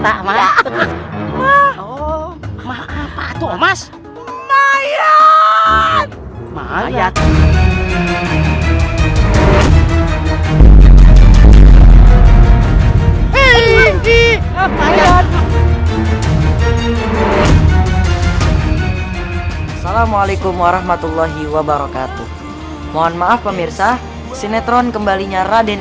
assalamualaikum warahmatullahi wabarakatuh mohon maaf pemirsa sinetron kembalinya raden